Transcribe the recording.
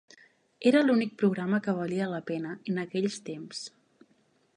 Era l'únic programa que valia la pena en aquells temps.